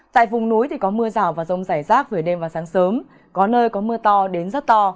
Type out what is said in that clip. tại vùng núi thì có mưa rào và rông rải rác về đêm và sáng sớm có nơi có mưa to đến rất to